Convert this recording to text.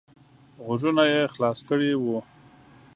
غوږونه یې خلاص کړي وو.